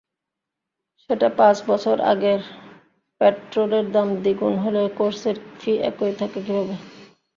সেটা পাচ বছর আগের পেট্রোলের দাম দ্বিগূন হলে, কোর্সের ফি একই থাকে কীভাবে?